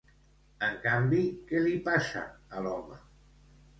En canvi, què li passa a l'home?